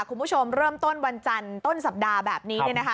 คุณผู้ชมเริ่มต้นวันจันทร์ต้นสัปดาห์แบบนี้เนี่ยนะคะ